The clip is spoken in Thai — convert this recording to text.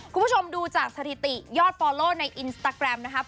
คุณผู้ชมดูจากสถิติยอดฟอลโล่ในอินสตาแกรมนะครับ